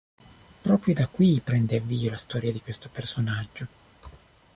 Proprio da qui prende avvio la storia di questo personaggio.